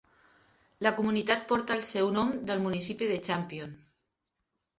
La comunitat porta el seu nom del municipi de Champion.